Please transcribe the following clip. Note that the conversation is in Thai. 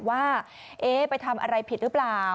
ว่าไปทำอะไรผิดหรือเปล่า